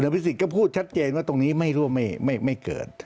พิสิทธิก็พูดชัดเจนว่าตรงนี้ไม่ร่วมไม่เกิด